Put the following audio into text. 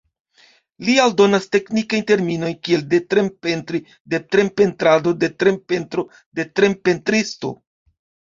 Li aldonas teknikajn terminojn kiel detrem-pentri, detrem-pentrado, detrem-pentro, detrem-pentristo.